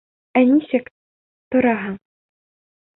Ә нисек... тораһың?